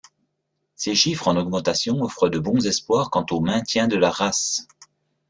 Ces chiffres en augmentation offrent de bons espoirs quant au maintien de la race.